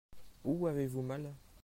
Où avez-vous mal ?